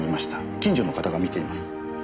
近所の方が見ています。